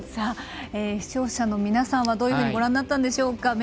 視聴者の皆さんはどういうふうにご覧になったんでしょうか。